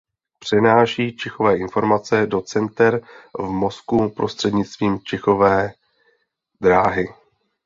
Přenáší čichové informace do center v mozku prostřednictvím čichové dráhy.